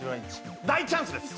大チャンスです